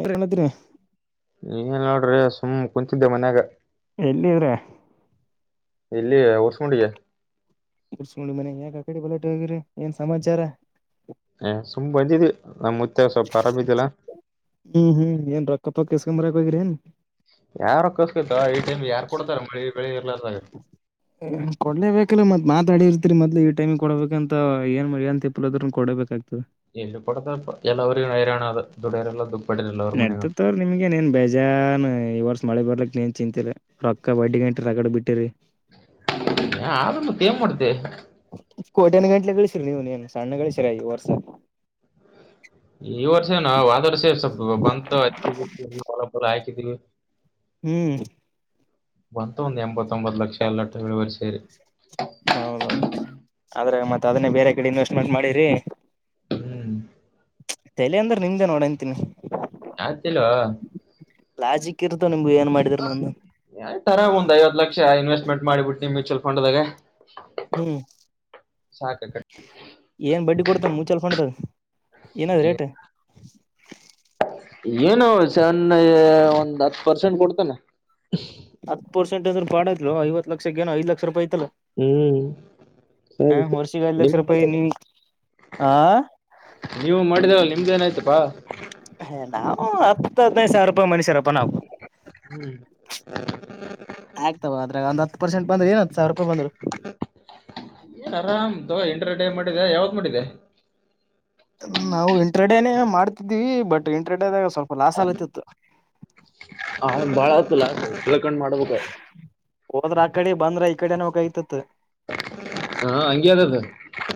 ಬೇರೆನಂತೀರಿ? ಹಿಂಗೆ ನೋಡ್ರಿ ಸುಮ್ ಕುಂತಿದ್ದೆ ಮನ್ಯಾಗ. ಎಲ್ಲೀರ? ಇಲ್ಲಿ ಹೊಸುಂಡಿಗೆ. ಹೊಸುಂಡಿ ಮನೆಗ್ ಯಾಕ ಆಕಡೆ ಬಲಾಟ ಹೋಗಿರಿ ಏನ್ ಸಮಾಚಾರ? ಹೇ ಸುಮ್ಮ್ ಬಂದಿದ್ವಿ ನಮ್ಮ. ಹ್ಮ್ ಹ್ಮ್ ಏನ್ ರೊಕ್ಕತೊಕ್ ಇಸ್ಕೊಂಬರಕ್ ಹೋಗಿದ್ರೇನು? ಯಾ ರೊಕ್ಕಸ್ಕತ ಈ ಟೈಮ್ ಯಾರ್ ಕೊಡ್ತಾರ ಮಳಿ ಬೆಳಿ ಇರ್ಲಾರ್ ಕೊಡ್ಲೇಬೇಕಲ್ಲ ಮತ್ ಮಾತಾಡಿರ್ತೀರಿ ಮೊದ್ಲು ಇ ಟೈಮ್ ಕೊಡಬೇಕ ಅಂತ ಏನ್ ಏನ್ ತ ತಿಪ್ಪಲ ಅದ್ರೂ ಕೊಡೇಬೇಕಾಗ್ತದೆ. ಇಲ್ಲ ಪಡದಲ್ಲಿ ಎಲ್ಲರ ನರ ನಡ್ತತ್ವ್ರ ನಿಮ್ಗೆ ಏನ್ ಬೇಜಾನ ಈ ವರ್ಷ ಮಳೆ ಬರ್ಲಿಕ್ಕ್ ಏನ್ ಚಿಂತಿ ಇಲ್ಲ ರೊಕ್ಕ ಬಡ್ಡಿ ಗಂಟೆ ರಗಡ್ ಬಿಟ್ಟಿರಿ. ಏ ಆದೆ ಮತ್ತೇನ್ ಮಾಡ್ತಿ. ಕೋಟ್ಯನ ಗಂಟಲೆ ಗಳಿಸಿರಿ ನೀವು ಏನು ಸಣ್ಣ ಗಳಿಸಿರ ಈ ವರ್ಷ. ಈ ವರ್ಷ ಏನ ಅ ಹೋದ್ವರ್ಷ ಸ್ವಲ್ಪ್ ಬಂತ ಅಕ್ಕಿ ಗಿಕ್ಕಿ ಜ್ವಳ ಪೂರ ಹಾಕಿದೀವಿ. ಹ್ಮ್ ಬಂತು ಒಂದು ಎಂಬತ್ತೊಂಬತ್ತು ಲಕ್ಷ ಎಲ್ಲಟ್ಟು ಇಳುವರ್ ಸೇರಿ. ಹೌದೌದು ಆದ್ರ ಮತ್ತ್ ಅದನ್ನೇ ಬೇರೆ ಕಡೆ ಇನ್ವೆಸ್ಟ್ಮೆಂಟ್ ಮಾಡಿರಿ? ಹ್ಮ್ ತಲೆ ಅಂದ್ರ ನಿಮ್ದೇ ನೋಡಂತೀನಿ. ಆಗ್ತಿಲ್ವಾ? ಲಾಜಿಕ್ ಇರುತ್ತೆ ನಿಮ್ ಆ ತರ ಒಂದ್ ಐವತ್ ಲಕ್ಷ ಇನ್ವೆಸ್ಟ್ಮೆಂಟ್ ಮಾಡಿಬಿಟ್ಟನ್ ಮ್ಯೂಚುವಲ್ ಫಂಡ್ದಾಗ. ಹ್ಮ್ ಸಾಕ ಏನ್ ಬಡ್ಡಿ ಕೊಡ್ತಾನ ಮ್ಯೂಚೆಲ್ ಫಂಡ್ದಾಗ? ಏನಾದ ರೇಟು? ಏನು ಸ್ಣ ಒಂದ್ ಹತ್ತು ಪರ್ಸೆಂಟ್ ಕೊಡ್ತಾನೆ. [unintelligible] ಫ್ರಾಡ್ ಆಕ್ಕಿಲ್ವ ಐತ್ತು ಲಕ್ಷಕ್ಕ ಐ ಲಕ್ಷ ರೂಪಾಯಿ. ಐತಲ್ಲ ಹ್ಮ್ ಹ ವರ್ಷಿಗೆ ಐದ್ ಲಕ್ಷ ರೂಪಾಯಿ [unintelligible] ನೀ ಹಾ ನೀವು ಮಾಡಿದಾವ. ನಿಮ್ದೇನಾಯಯ್ತಪ್ಪಾ? ಹ ನಾವ್ ಹತ್ತು ಹದಿನೈದು ಸಾವ್ರುಪಾಯಿ ಮನುಷ್ಯರಪ್ಪ. ನಾವು ಆಗ್ತಾವ [unintelligible] ಅದ್ರಾಗ ಒಂದ್ ಹತ್ತು ಪರ್ಸೆಂಟ್ ಬಂದ್ರ ಏನ ಸಾವಿರ ರೂಪಾಯಿ ಬಂದ್ರು ಎಂಟರ್ಟೈನ್ ಮಾಡಿದೆ ಯಾವ್ದ ಮಾಡಿದೆ ಮಾಡ್ತಿದೀವಿ ಬಟ್ ಇಂಟ್ರೆ ಆದಾಗ ಸ್ವಲ್ಪ ಲಾಸ್ ಆಲತಿತ್ತು ಹ ಬಾಳ ಆತಲ್ಲ ತಿಳ್ಕೊಂಡು ಮಾಡ್ಬೇಕ ಹೋದ್ರ ಆ ಕಡೆ ಬಂದ್ರ ಈ ಕಡೆನ ಹೋಗ ಆಯ್ತತ್ ಹಾ ಹಂಗಗೆ ಅದು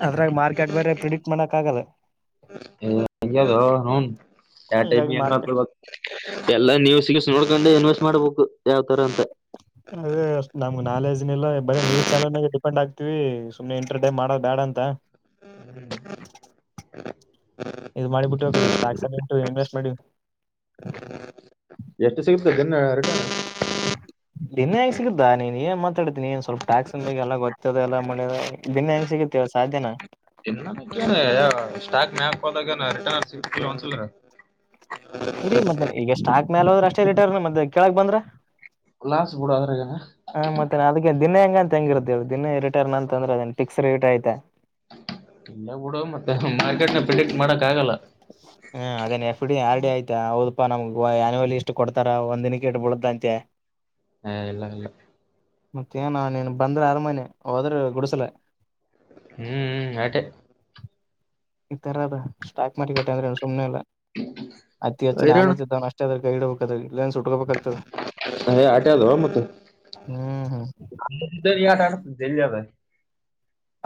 ಅದ್ರಾಗ ಮಾರ್ಕೆಟ್ ಬೇರೆ ಪ್ರೆಡಿಕ್ಟ್ ಮಾಡಕ್ ಆಗಲ್ಲ [unintelligible] ಯ ಟೈಮ್ ಹಂಗಾಗಿ ಹೆಂಗ ಮಾರ್ಕೆಟ್ ಮಾಡ್ಕಡ್ಬೇಕ ಎಲ್ಲಾ ನೀವು ಸಿಗಸ ನೋಡ್ಕೊಂಡು ಇನ್ವೆಸ್ಟ್ ಮಾಡ್ಬೇಕು ಯಾವ್ ತರ ಅಂತ [unintelligible] ಬರೇ ನ್ಯೂಸ್ ಚಾನಲ್ ಮ ಡಿಪೆ್ ಆಗ್ತತಿವಿ ಸುಮ್ನೆ ಎಂಟರ್ಟೈನ್ ಮಾಡೋ ಬೇಡ ಅಂತ [unintelligible] ಇದ್ ಮಾಡಿಬಿಟ್ಟು ಕಡೆ ಸ್ಟಾಕ್ಸ್ ಎಲ್ಲ ಉಂಟು ಇನ್ವೆಸ್ಟ್ ಮಾಡಿ [unintelligible] ದಿನೆ ಹೇಗೆ ಸಿಗಿದ್ದಾ ನೀನ್ ಏನ್ ಮಾತಾಡ್ತಿನನಿ ಸ್ವಲ್ಪ ಟ್ಯಾಕ್ಸ್ನ್ ಬಗ್ ಎಲ್ಲ ಗೊತ್ತದ ಎಲ್ಲ ದನ್ನೆ ಹಂಗ ಸಿಗ ಸಾಧ್ಯನಾ [unintelligible] ಮತ್ತ ಈಗ ಸ್ಟಾಕ್ ಮೇಾಲ ಹೋದ್ರ ಅಷ್ಟೇ ರಿಟರ್ನ್ ಮತ್ತೆ ಕೇಳಕ್ ಬಂದ್ರ ಗ್ಲಾಸ್ ಬಿಡೋದ್ರಗನ ಹಾ ಮತ್ತೆ ಅದಕ್ಕೆ ದಿನೇ ಹೆಂಗಂತ ಹೆಂಗಿರುತ್ತೇ ದಿನೇ ರಿಟರ್ನ್ ಅಂತ ಅಂದ್ರೆದ ಫಿಕ್ಸ್ ರೇಟ್ ಆಯ್ತಾ ಇಲ್ಲ ಬಿುಡು ಮತ್ತೆ ಮಾರ್ಕೆಟ್ ನ ಪ್ರೆಡಿಕ್ಟ್ ಮಾಡಕ್ ಆಗಲ್ಲ ಹ ಅದೇನ್ ಎಫ್ ಡಿ ಆರ್ ಆಯ್ತಾ ಹೌದಾ ನಮ ಅನಲಿ ಇಷ್ಟಟ್ ಕೊಡ್ತಾರ ಒಂದ ದಿನಕ್ಕೆ ಇು ಬಳ್ದ ಅಂತೆ ಹಾ ಇಲ್ಲ ಇಲ್ಲ ಮತ್ತೇಏನ ನೀನ್ ಬಂದ್ರೆ ಅರಮನೆ ಹೋದ್ರೆ ಗುಡಸಲ ಹ್ಮ್್ಮ್ ಆಟೆ ಈ ತರ ಅದ ಸ್ಟಾಕ್ ಮಾರ್ಕೆಟ್ ಅಂದ್ರೆ ಸುಮ್ನೆ ಇಲ್ಲ ಅತಿ ಹೆಚ್ಚು ಹೈರಾಣ ನಾಲೆಜ್ ಇದ್ದವ್ ಅಷ್ಟೇ ಅದ್ರ ಗೈಡ ಹುನ್ ಹ ಆಟೆದವಾ ಮತ್ತ ಹ್ಮ್ ಹ್ಮ್ [unintelligible]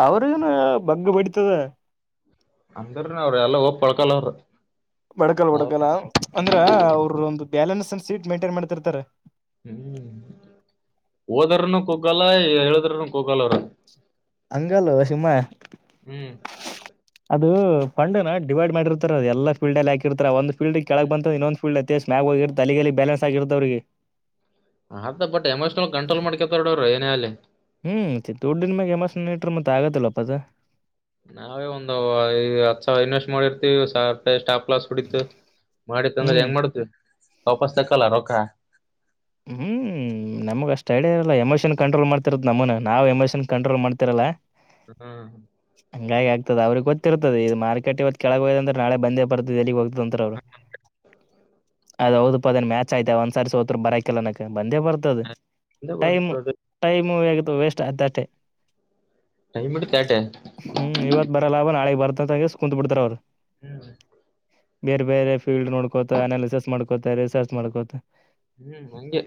ಅವ್ರಗನು ಬಗ್ಗ ಬಿಡತದ ಅಂದ್ರ ಅವ್ರ ಎಲ್ಲ ಹೋಗಪೊಳ್ಕಲ್ ಅವ್ರ ಬಡಕಲ್ ಬಡಕಲ್ಲ ಅಂದ್ರ ಅವ್ರ ಒಂದು ಬ್ಯಾಲೆನ್ಸ್ ಅಂಡ್ ಸೀಟ್ ಮೇಂಟೈನ್ ಮಾಡ್ತಿರ್ತಾರೆ ಹ್ಮ ಓದರನು ಕುಗಲ್ ಎಳದರ ಕೂಗಾಲರ ಹಂಗಲ್ ಸುಮ್ಮ ಹ್ಮ್ ಅದು ಫಂಡಿನ ಡಿಮ್ಯಾಂಡ್ ಮಾಡಿರ್ತಾರೆ ಅ ಎಲ್ಲ ಫಲ್ಡ್ ಎ ಹಾಕಿರ್ತ ಒಂದ ಫಲ್ಡ್ ಕೆಳಕ್ ಬಂತಂದ ಇನ್ನೊಂದ ಫಲ್ಡ್ ಸ್ಮ್ಯಾಗ ಹೋಗಿರುತ್ತೆ ತಲೆಲ್ಲಿ ಬ್ಯಾಲೆನ್ಸ್ ಆಗಿರುತ್ತ ಅವ್ರರಿಗೆ ಆ ಬಟ್ ಎಮೋಷನಲ್ ಕಂಟ್ರೋಲ್ ಮಾಡ್ಕತಾರಡ ಅವ ಏನ ಅಲ್ಲಿ ಹ್ಮ್ ಚ ದುಡ್ಡಿನ ಮ್ಯಾಗ ಯಮ್ಮಸ್ ನೀಟ್ರ ಮತ್ತೆ ಆಗತ್ತಲ್ಲಪ್ಪದ ನಾವೇ ಒಂದು ಹತ್ತು ಸಾವಿರ ಇನ್ವೆಸ್ಟ್ ಮಾಡಿರ್ತಿೀವಿ ಸಾವ ರಪಾಯಿ ಸ್ಟಾಪ್ ಕ್ಲಾಸ್ ಕುಡತು ಮಾಡಿತ್ತ ಅಂದ್ರೆ ಹ್ಮ್ ಹೆಂಗ ಮಾಡತು ವಾಪಸ್ ತಕಲ್ಲ ರೊಕ್ಕ ಹ್ಮ ನಮ್ಗ ಅಷ್ಟ ಅಡ ಇಲ್ಲ ಎಮೋಷನ್ ಕಂಟ್ರೋಲ್ ಮಾಡ್ತಿರದ್ ನಮ್ಮನ ನಾವವು ಎಮೋಷನ್ ಕಂಟ್ರೋಲ್ ಮಾಡ್ತಿರಲ್ಲ ಹ್ಮ ಹಂಗಾಗಿ ಆಗ್ತದೆ ಅವ್ರಿಗೆ ಗೊತ್ತಿರ್ತದೆದು ಮಾರ್ಕೆಟ್ ಇವತ್ತು ಕೆಳಗೆ ಹೋ ಅ್ರ ನಳೆ ಬಂದೇ ಬತದೆಲ್ಲಿಗ್ ಹ ಅವ ಅದೌದ ಪದನ್ ಮ್ಯಾಚ್ ಆಯ್ತ ಒಂದ್ ಸಾರಿ ಸೋ ಬರಾ ಲನಕ ಬಂದೇ ಬರ್ತದ ಟೈಮ್ ಟೈಮುಗ ವೇಸ್ಟ್ ಅತಷ್ಟೆ ಟೈಮ್ ಇಡ್ತ ಆಟೆ ಹ್ಮ್ ಇವತ್ ಬರಲ್ಲ ಅವ ನಾಳೆಗೆಗ್ ಬರ್ತಂತಂಗ ಕುೂತ್ ಬಿಡ್ತಾರ ಅವ್ರು ಹ್ಮ್ ಬೇರೆ ಬೇರೆ ಫೀಲ್ಡ್ ನೋಡ್ಕೋತ ಆ ನ ರಿಸರ್ಚ್ ಮಾಡ್ಕೋತ ರಿಸರ್ಚ್ ಮಾಡ್ಕೋತ ಹ್ಮ್ ಹಂಗೆ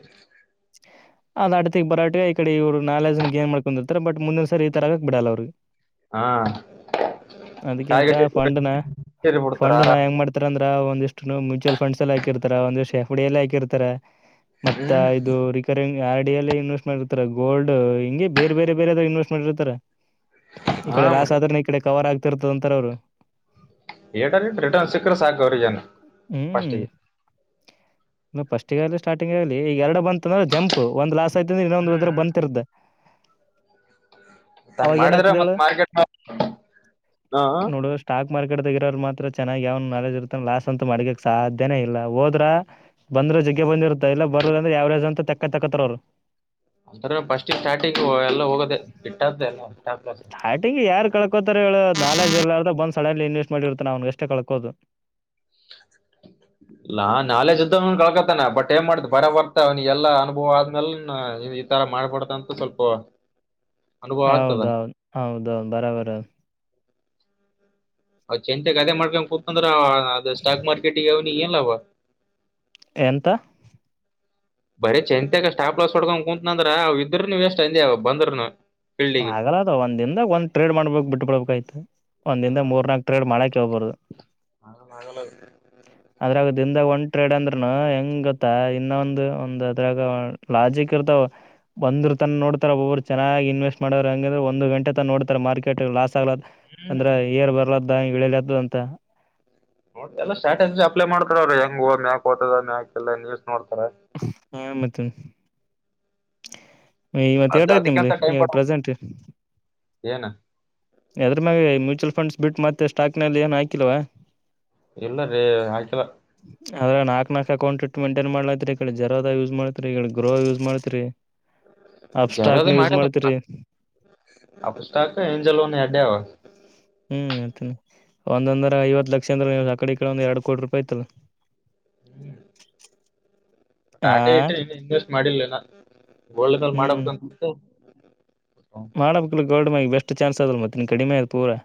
ಅದ್ ಅಡ್ತಿಗ್ ಬರಾಟ ಈ ಕಡೆ ಇವರು ನಾಲೆಜ್ ಗೇನ್ ಮಾಡ್ಕೊಂಡಿರ್ತಾರೆ ಬಟ್ ಮುಂದಿನ ಸರಿ ಈ ತರಗಕ್ ಬಿಡಲ್ಲ ಅವ್ರಿಗೆ ಹಾ ಅದಕಂತ ಟಾರ್ಗೆಟ್ ಫಂಡ್ನ ಬಿಡ್ತಾರ ಫಂಡ್ ನ ಆರಾಮ್ ಹೆಂಗ ಮಾಡ್ತಾರ ಅಂದ ಒಂದಷ್ಟು ಮ್ಯೂಚುವಲ್ ಫಂಡ್ಸ್ಲ್ಲಿ ಹಾಕಿರ್ತಾರ ಒಂದಷ್ಟು ಎಫ್ ಡಿ ಎಲ್ಲಿ ಹಾಕಿರ್ತಾರೆ ಮತ್ತ ಹ್ಮ್ ಇದು ರಿಕರಿಂಗ್ ಆರ್ ಡಿಿಯಲ್ಲಿ ಇನ್ವೆಸ್ಟ್ ಮಾಡಿರ್ತಾರ ಗೋಲ್ಡ್ ಹಂಗೆ ಬೇರೆ ಬೇರೆ ಬೇರೆ್ರು ಇನ್ವೆಸ್ಟ್ ಮಾಡಿರ್ತಾರ ಈ ಹಾ ಕಡೆ ಲಾಸ್ ಮತ್ತ ಆದ್ರನೆ ಈ ಕಡೆ ಕವರ್ ಆಗ್ತಿರ್ತದಂತಾರ ಅವ್ರು ರ್ ರಿಟರ್ನ್ ಸಿಕ್ಕ್ರ ಸಾಕ ಅವ್ರಜನ್ ಫಸ್ಟ್ ಗೆ ಫಸ್ಟ್ ಗಲಿ ಸ್ಟಾರ್ಟಿಂಗ್ ಆಲಿ ಈ ಎರಡು ಬಂತ ಅಂದ್ರೆ ಜಂಪ್ ಒ್ ಲಾಸ್ ್ರೆ [unintelligible] ಇನ್ನೊಂದು್ರ [unintelligible] ಹಂಗ್ ಬಂತಿರ್್ದೆ ಅವಾಗ ಏನ ಮಾಡಿದ್ರೆ ಆಕ್ದಳ ಮತ್ ಮಾರ್ಕೆಟ್ [unintelligible] ನೋಡುವ ಸ್ಟಾಕ್ ಮಾರ್ಕೆಟ್ ಇರೋರು ಮಾತ್ರ ಚೆನ್ನಾಗಿ ಯಾವ ನಾಲೆಜ್ ಇರುತ್ತ ಲಾಸ್ ಅಂತ ಮಾಡಕಕ್ ಸಾಧ್ಯನೇ ಇಲ್ಲ ಹೋದ್ರ ಬಂದ ಜಗ್ಗೆ ಬಂದಿತ್ತ ಇಲ್ಲ ಬರ್ ಅಂದ್ರೆ ಯಾವರೇಜ್ ಅಂತ ತಕ್ಕ ತಕ್ಕತ್ ಅವರು ಅಂತ್ರ ಬಸ್ಟಿಗೆ ಸ್ಟಾರ್ಟಿಗೆ ಎಲ್ಲ ಹೋಗೋದೆ ಇಟ್ಟ್ದ ಎಲ್ಲ್ಾಸ್ ಸ್ಟಾರ್ಟಿಂಗ್ ಯಾರು ಕಳ್ಕೋತಾರ ನಾಲೆಜ್ ಇರ್ ಇತ ಬಂದ್ ಸಡನ್ಲಿ ಇನ್ವೆಸ್ಟ್ ಮಾಡಿರ್ತ್ತ ಅವನ್ಗ ಅಷ್ಟೇ ಕಳ್ಕೋದು [unintelligible] ನಾ ನಾಲೆಜ ಸುದ್ದನ್ ಕಳ್ಕತಾನ ಬಟ್ ಏನ್ ಮಾಡ್ತ ಬರ ಬರ್ತ ಅವನಿಗೆಲ್ಲಾ ಅನುಭವ ಆದ್ಮೇಲ್ ತರ ಮಾಡ್ಬಡ್್ದಂತು ಸ್ವಲ್ಪ ಅನುಭವ ಆಗ್ತದ ಹೌದೌದು್ ಹೌದೌ ಬರಬರೌದು ಅ್ ಚಂತೆ ಕದೆ ಮಾಡ್ಕೊಂಡ ಕೂತ್ಂದ್ರ ಅದ ಸ್ಟಾಕ್ ಮಾರ್ಕೆಟಗ ಅವನಿ ಏನ್ಲ್ಲವ ಎಂತ ಬರೀ ಚಂತೆಾಗ ಸ್ಟಾಪ್ ಲಾಸ್ ಹೊಡ್ಕೊಂಡ್ ಕುೂಂತನಂದ್ರ ಅವ ಇದ್ರರು ನೀ ವೇಸ್ಟ್ ಅಂದ ಬಂದ್ರರುನು ಆಗಲ್ಲ ಅದು ಒಂದ್ಿಂದದಾಗಂದ ಟ್ರೇಡ್ ಮಾಡ್ಬೇಕಕ್ ಬಿಟ್ ಬಿಡ್ಬೇಕ ಆ್ತು ಒಂದ್ಿಂದ ಮೂರ್ ನಾಕ್ ಟ್ರೇಡ್ ಮಾಡಕ ಕಬರುದು ಹ ನಾಗಲ್ಲ ಅದ್ರಾಗ ದಿನದಾಗ ಟ್ರೇಡ್ ಅಂದ್ರನು ಹೆಂಗ್ ಗೊತ್ತ ಇನ್ನೊಂದು ಒಂದ್ ಅದ್ರಾಗ ಲಾಜಿಕ್ ಇರ್ತಾವ ಒಂದ್ರು ತನ್ ನೋಡ್ತಾರ ಒಬ್ಬಬ್ರು ಚೆನ್ನಾಗಿ ಇನ್ವೆಸ್ಟ್ ಮಾಡ ಹಂಗ್ರೆ ಒಂದು ಗಂಟೆ ತ ನೋಡ್ತಾರೆ ಮಾರ್ಕೆಟ್ ಲಾಸ್ ಆಗ್ಲದ ಹ್ಮ್ ಅಂದ್ರೆ ಏರ್ ಬರ್ಲ ಇಳಲ್ದು ಅಂತ [unintelligible] ಎಾ ಸ್ಟ್ರಾಟಜಿ ಅಪ್ಲೈ ಮಾಡ್ತಾರ ಅವ್ರ ಹೆಂಗ ಹ ಮ್ಯಾಕ್ ಹತದ ಮ್ಯಾಕ್ ಎಲ್ಲ ನೋಡ್ತಾರ ಹಾ ಮತ್ತನ್ ಇವತ್ತ ಅದ್ ಎೇಟ [unintelligible] ಆ್ತಿ ನಿಮ್ದೀ ಅದಕ್ಕಂತ ಟೈಮ್ ಈಗ ಕೊಡ ಪ್ರೆಸೆಂಟ್ ಏನ ಅದ್ರ ಮ್ಯಾಗೆ ಮ್ಯೂಚುವಲ್ ಫಂಡ್ಸ್ ಬಿಟ್ಟು ಮತ್ತೆ ಸ್ಟಾಕ್ನಲ್ಲಿ ಏನು ಹಾಕಿಲ್ವಾ ಇಲ್ಲ ರೀ ಹಾಕಿಲ್ಲ ಅದ್ರ ನಾಕಕ್ ನಾಕ್ಕೌಂಟ್ ಇಟ್ ಮೈಂಟೈನ್ ಮಾಡಲತ್ರಿ ಜರೋ ಯೂಸ್ ಮಾಡತ್ರಿ ಗ್ರೋ ಯೂಸ್ ಮಾಡ್ತ್ರಿ ಅಪ್ ಜಾರ ಸ್ಟಾಕ್ ನ ಮಾಡ ಯೂಸ್ ಮಾಡ್ತೀರಿ ಆ ಪುಸ್ತ ಎಂಜ [unintelligible] ಅಡಾವ [unintelligible] ಒಂದೊಂದ್ರ ಐವತ್ತು ಲಕ್ಷ ಅಂದ್ರ ನೀ್ ಸಕಡೆ ಈ ಕಡೆ ಒಂದ್ ಎರಡು ಕೋಟಿ ರೂಪಾಯಿಐತ್ ಆ ಟಾಟೆ ಇಟ್ಟ್ರೆ ಇ ಇನ್ವೆಸ್ಟ್ ಮಾಡಿಲ್ಲನಾ ಒಳ್ಳದಲ್ ಮಾಡಬೇಕಂತ [inaudible] ಮಾಡಬೇಕಕ್ ಗೋಲ್ಡ್ ಮಿ ಬೆಸ್ಟ್ ಚಾನ್ಸ್ ಅದಲ್ ಮತ್ತೆ ನೀನ್ ಕಡಿಮೆ ಅದು ಪೂರ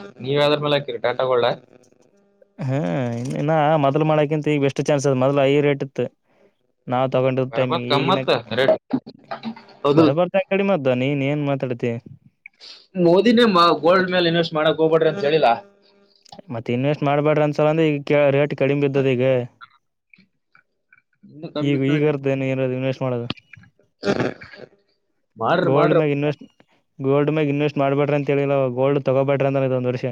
ಹ್ಮ ನೀವ ಯ್ದ್ರ ಮೇಲೆ ಹಾಕಿರಿ ಟಾಟಗೋಳ [unintelligible] ಹ್ಮ ಇನ್ನ ಮೊದ್ಲು ಮಾಡಕಿಂತ ಈಗ ಎಷ್ಟು ಚಾನ್ಸ್ ಅದ ಮೊದ್ಲು ಐ ರೇಟ್ ಇತ್ತು ನಾವ್ ತಗೊಂಡಿರ್ತೇ ಮ [unintelligible] ಬರ್ಬತ್ ಈಗಿನ ಕಮ್ಮತ್ತ ರೇಟ್ ಹೌದು ಬರಬಾರ್ದ ಆ ಕಡಿ ಮಾದ್ದ ನೀನ್ ಏನ್ ಮಾತಾಡ್ತಿ ಮೋದಿನೇ ಮ [unintelligible] ಗೋಲ್ಡ್ ಮೇಲ್ ಇನ್ವೆಸ್ಟ್ ಮಾಡಕ್ ಹೋಗ್ಬಡ್ರಿ ಅಂತ ಹೇಳಿಲ್ಲಾ ಮತ್ತತ್ ಇನ್ವೆಸ್ಟ್ ಮಾಡ್ಬ್ಯಾಡ್ರ ಅನ್ಸಲ ಅಂದ್ರೆ ಈಗ ರೇಟ್ ಕಡಿಮೆ ಇದ್ದದ ಈಗ ಇನ್ನು ಕಮ್ಮಿ ಈಗ ಇತ್ತಂದ್ರೆ ಈಗರ್್ದ ನ ಏರದು ಇನ್ವೆಸ್ಟ್ ಮಾಡೋದು [unintelligible] ಮಾಡ್ರಿ ಗೋಲ್ಡ್ ಮಾಡ್ರಿ ಮೇಲೆ ಇನ್ವೆಸ್ಟ್ ಗೋಲ್ಡ್ ಮ್ಯೆ ಇನ್ವೆಸ್ಟ್ ಮಾಡ್ಬೇಟ್ರಿ ಅಂತೇಳಿಿಲ್ಲ ಗೋಲ್ಡ್ ತೊಗೋಬೇಟ್ರಿ ಅಂದ ಇದ ಒಂದು ವರ್ಷ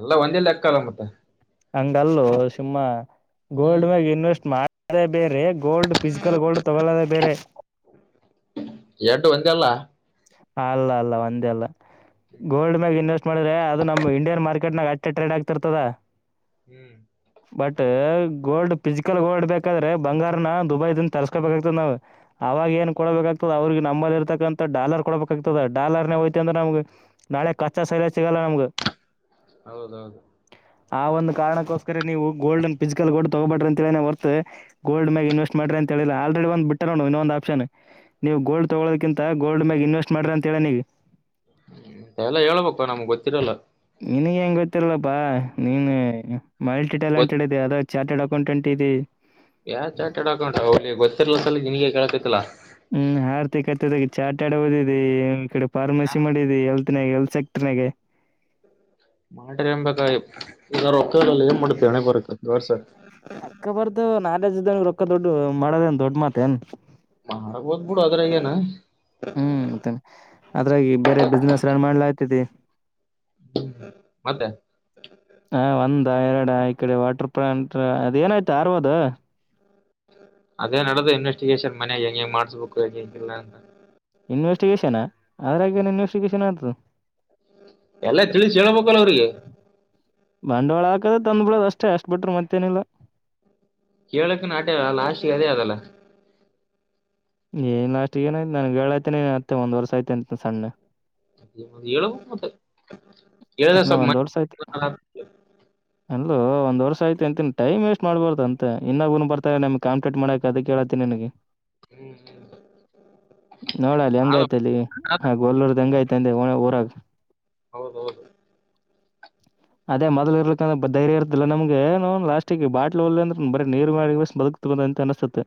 ಎಲ್ಲ ಒಂದೇಲ್ಲಲೆಕ್ಕಲ್ಲ ಮತ್ತೆ ಅಂಗ ಅಲ್ಲೋ ಸಿಂಹ ಹ್ಮ್ ಗೋಲ್ಡ್ ಮ್ಯಾಗ ಇನ್ವೆಸ್ಟ್ ಮಾಡದೇ ಬೇರೆ. ಗೋಲ್ಡ್ ಫಿಸಿಕಲ್ ಗೋಲ್ಡ್ ತಗೊಳ್ಳದ ಬೇರೆ. ಎರಡು ಒಂದೇ ಅಲ್ಲ ಅಲ್ಲ ಅಲ್ಲ ಒಂದೇ ಅಲ್ಲ ಗೋಲ್ಡ್ ಮ್ಯಾಗ ಇನ್ವೆಸ್ಟ್ ಮಾಡಿದ್ರೆ ಅದು ನಮ ಇಂಡಿಯನ್ ಮಾರ್ಕೆಟ್. ಇಕಟ ನ್ಯಾಗ ಅಟ್ಟೆ ಟ್ರೆಡ್ ಆಗ್ತಿರ್ತದ. ಹ್ಮ್. ಬಟ್ ಗೋಲ್ಡ್ ಫಿಸಿಕಲ್ ಗೋಲ್ಡ್ ಬೇಕಾದ್ರೆ ಬಂಗಾರನ ದುಬೈದಿಂದ ತರ್ಸ್ಕೋಬೇಕಾಗ್ತದ ನಾವು. ಅವಾಗ ಏನ್ ಕೊಡಬೇಕಾಗ್ತದ ಅವ್ರಿಗೆ ನಮ್ಮಲ್ಲಿ ಇರತಕ್ಕಂತ ಡಾಲರ್ ಕೊಡ್ಬೇಕಾಗ್ತದೆ ಡಾಲರ್ ನೇ ಹೊಯತ್ತೀವಿ ಅಂದ್ರೆ ನಮಗೆ ನ. ಕಚ್ಚಾ ಸೈಲ ಸಿಗಲ್ಲ ನಮ್ಗ. ಹೌದೌದು. ಆ ಒಂದು. ಕಾರಣಕ್ಕೋಸ್ಕರ ನೀವು ಗೋಲ್ಡನಾ ಫಿಸಿಕಲ್ ಗೋಲ್ಡ್ ತಗೋಬಡ್ರಿ ಅಂತ ಹೆಳೆ ನಾ ವರ್ತು ಗೋಲ್ಡ್ ಮೇಗ ಇನ್ವೆಸ್ಟ್ ಮಾಡ್ರಿ ಅಂತ ಹೇಳಿಲ್ಲ. ಒಂದ್ ಬಿಟ್ಟ ನೋ ಇನ್ನೊ ಒಂದು ಆಪ್ಷನ್ ನೀವು ಗೋಲ್ಡ್ ತೊಗೋಳದಕಿಂತ ಗೋಲ್ಡ್ ಮೇಗ ಇನ್ವೆಸ್ಟ್ ಮಾಡ್ರಿ ಅಂತ ಹೇಳಿನಾ ಇಗ. ಅವೆಲ್ಲ ಹೇಳಬೇಕು ನಮಗ ಗೊತ್ತಿರಲ್ಲ. ನಿನಗ ಹೆಂಗ ಗೊತ್ತಿರಲ್ಲಪ್ಪಾ ನೀನ್ ಮಲ್ಟಿ ಗೊತ್ ಟ್ಯಾಲೆಂಟೆಡ್ ಆದಿಯ ಅದರಾಗ. ಚಾರ್ಟೆಡ್ ಅಕೌಂಟೆಂಟ್ ಇದೀ. ಯಾ ಚಾರ್ಟೆಡ್ ಅಕೌಂಟ್ ಹುಲಿ ಗೊತ್ತಿರಲಾರದ ನಿನಗೆ ಕೇಳಕತಿಲ್ಲ. ಹ್ಮ್ ಆರ್ಥಿಕತೆದಾಗ ಚಾಟೆದ ಓದಿದಿ ಈ ಕಡೆ ಫಾರ್ಮಸಿ ಮಾಡಿದಿ ಎಲ್ತ್. ಎಲ್ ಸೆಕ್ಟರ್ ನ್ಯಾಗ. ಮಾಡಿರಿ ಎಂಬಕ ಇದಾರ ಒಕ್ಕಲ್ಲಿ ಏನ್ ಮಾಡುತಿ ಅಣೆ ಬರಕ್ಕೆ ಜೋರ್ಸ. ಅಕ್ಕ ಬರ್ದು ನಾಲೆಜ ಇದಂಗ ರೊಕ್ಕ ದೊಡ್ಡ ಮಾಡೋದೇ ಏನ್ ದೊಡ್ಡ ಮಾತೇನ್. ಮಾರಾಕ ಹೋಗಬೋದು ಬಿಡು ಅದ್ರೆ ಏನ. ಹ್ಮ್ ಮತ್ತೆ ಅದ್ರಾಗಿ ಬೇರೆ ಬಿಸ್ನೆಸ್ ರನ್ ಮಾಡ್ಲಾಕತಿ. ಹ್ಮ್ ಮತ್ತೆ. ಹ್ಮ್ಮ್ ಒಂದ ಎರಡ ಈ ಕಡೆ ವಾಟರ್ ಪಾಯಿಂಟ್ ಅದೇ ಏನಾಯ್ತಾ ಅವರದು. ಅದೇ ನಡೆದ ಇನ್ವೆಸ್ಟಿಗೇಷನ್ ಮನೆ ಹೆಂಗೆ ಹೆಂಗೆ ಮಾಡಸ್ಬೇಕು ಹೇಂಗ ಹಂಗಿಲ್ಲ ಅಂತ. ಇನ್ವೆಸ್ಟಿಗೇಷನ್ ಅದ್ರಾಗ ಏನ್ ಇನ್ವೆಸ್ಟಿಗೇಷನ್ ಆಗತದ. ಎಲ್ಲಾ ತಿಳಿಸಿ ಹೇಳೇಳ್ಬೇಕಲ್ಲ ಅವ್ರಿಗೆ. ಈಕಡೆ ದ ತಂದ ಬಿಡದ ಅಷ್ಟೇ ಅಷ್ಟ ಬಿಟರ ಮತ್ತೇನಿಲ್ಲ. ಕೇಳಕ್ ನ ಆಟ್ಯ ಅಲ್ಲ ಆಸೆ ಅದೇ ಅದಲ್ಲ. ಏನ್ ಲಾಷ್ಟಗೆ ಏನಾಯ್ತು ಏನ ನಾನು ಹೇಳಾಕಾತಿನಿ ಮತ್ತೆ ಒಂದ್ ವರ್ಷ ಆಯ್ತೆ ಅಂತ ಸಣ್ಣ. ಹೇಳ ಮ ಹೇಳದ ಅಲ್ಲ ಮ ಒಂದ್ ಅಲ್ಲ ಒಂದ ವರ್ಷ ಯಐತಿ ಅಂತಿ ಮ್ ವೇಸ್ಟ್ ಮಾಡ್ಬಾರು ಅಂತ ಇನ್ನಾಗೂ ಬರ್ತಾರೆ ನಮ್ ಕಂಪ್ಲೀಟ್ ಮಾಡಕ್ ಅದಕ್ಕೆ ಕೇಳಾತ್ತಿನಿ ನಿನಗೆ ಹ್ಮ್ ನೋಡಲ್ಲಿ ಅಂಗಾಯ್ತ ಅಲ್ಲಿ ಹಾಗ ಹೊಲ್ಲೂರ್ದ ಹೆಂಗಾಯ್ತಿ. ಂದೆ ಒ ಊರಾಗ ಹೌದೌದು. ಅದೇ ಮೊದಲ ಇರ್ಲಿಕ್ಕ ಅಂದ್ರೆ ಧೈರ್ಯ ಇರ್ತಿಲ್ಲ ನಮಗ ಏ ನೌನ ಲಾಸ್ಟಿಗೆ ಬಾಟ್ಲ್ ವಲ್ಲ ಅಂದ್ರ ಬರಿ ನೀರ ಮಾರಿಕೇಸಿ ಬದುಕತ್ನ. ಬದಕಬಹುದು ಅನಸತೈತ್ತೆ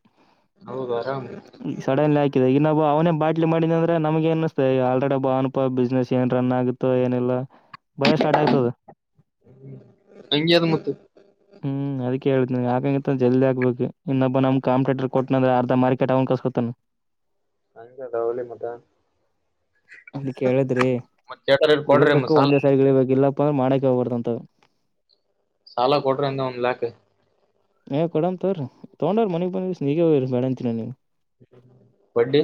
ಹೌದು ಆರಾಮ್ ಸಡನಲ್ಲೆ ಹಾಕಿದೆ ಇನ್ನೊಬ್ಬ ಅವನೇ. ಬಾಟ್ಲಿ ಮಾಡಿದ ಅಂದ್ರೆ ನಮ್ಗ ಏನ ಅನಿಸ್ತದ ಆಲ್ರೆಡಿ ಒಬ್ಬನು ಆನಪ ಬಿಸ್ನೆಸ್ ಏನ್ ರನ್ ಆಗುತ್ತೋ ಏನಿಲ್ಲ. ಭಯ ಸ್ಟಾರ್ಟ್ ಆಗ್ತದ. ಅಂಗ್ಯದ ಮತ್ತೆ. ಹ್ಮ್ ಅದಕ್ಕೆ ಹೇಳತಿನಿ ಆಕಾಂಗ ಇತ್ರ ಜಲ್ದಿ ಹಾಕಬೇಕು ಇನ್ನೊಬ್ಬ ನಮ್ ಕಾಂಪಿಟೇಟರ್ ಕೊಟ್ಟನ ಅಂದ್ರ ಅರ್ಧ ಮಾರಕೆಟ್ಟ ಅವ್ ಕಸಕೊಂತನ. ಅಂಜದ ಹುಲಿ ಮತ. ಅದಕ್ಕೆ ಹೇಳದ್ರಿ ಕೇಳ್ರ ಕೊಡ್ರಿ ಮತ್ತ ಇಳಿಬೇಕು ಒಂದೇ ಸಾರಿ ಇಳಿಬೇಕ ಇಲ್ಲ. ಪ್ಪಂದ್ರೆ ಮಾಡಕ ಹೋಗ್ಬಾರ್ದಂತ. ಸಾಲ ಕೊಡರಿ ಅಂದ ಒಂದ್ ಲ್ಯಾಕ. ಏ ಕೊಡಮ ತಗೊರಿ ತೊಗೊಂಡ ಹೋಗರಿ ಮನಿಗ್ ಬಂದ ಕೇಸಿ ನಿಮಗ ಬೇಡ ಅಂತೀನಿ ಏನು ನಾನು. ಬಡ್ಡಿ.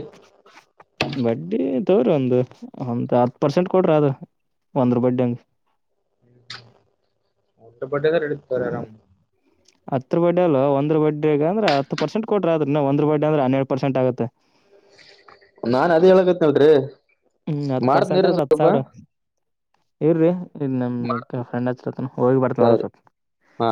ಕೊಡರಿ ಒಂದು ಹತ್ತ ಪರ್ಸೆಂಟ್ ಕೊಡ್ರಿ ಅದ ಒಂದ್ರ ಬಡ್ಡಿ ಹಂಗ. ಹತ್ತರ ಬಡ್ಡಿಯಂಗ ನಡೀತಾದ ತಗೋರಿ ಆರಾಮ. ಹತ್ರ ಬಡ್ಡ ಅಲ್ ಒಂದ್ರ ಬಡ್ಡಿ ಅಂದ್ರೆ ಹತ್ತು ಪರ್ಸೆಂಟ್ ಕೊಟ್ರ ಆದ್ರ ನ ಒಂದ್ ಬಡ್ಡಿ ಅ್ರ ಹನ್ನೆರಡು ಪರ್ಸೆಂಟ್ ಆಗುತ್ತೆ ನಾನ್ ಅದೇ ಹೇಳಕತ್ನಳ್ರಿ. ಹ್ಮ ಹತ್ತ ಪರ್ಸೆಂಟ್ ಅಂದ್ರ ಹತ್ ಸಾವರ. ಇರ್ರೀ ನಮ ಇ ಫ್ರೆಂಡ್ ಹಚ್ಚರತ್ನ ಹೋಗಿ ಬರ್ತನ ಹೋರ ಸ್ವಪ್ ಹಾ